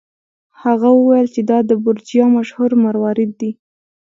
هغه وویل چې دا د بورجیا مشهور مروارید دی.